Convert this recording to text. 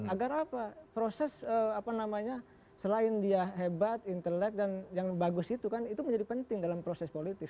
agar apa proses apa namanya selain dia hebat intelek dan yang bagus itu kan itu menjadi penting dalam proses politis